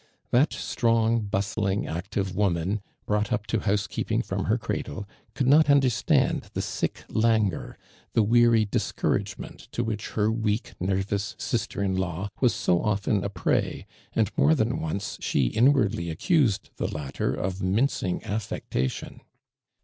'J'liat strong, bustling, active woman, brought up to housekeeping from lier cradle, eouhl not understand the sick languor, the weary discouragement to which lier weak, nervous sister in law, was so often a ))rey, and more than once she inwawlly accused the latter of mincing affectation.